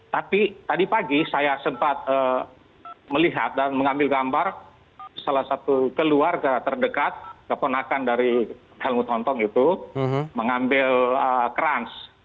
tapi tadi pagi saya sempat melihat dan mengambil gambar salah satu keluarga terdekat keponakan dari helmut hontong itu mengambil kerans